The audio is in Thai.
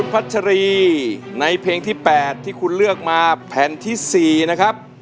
เพียงกินครูเลยครับ